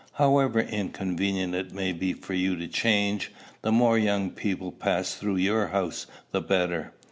However inconvenient it may be for you to change, the more young people pass through your house the better."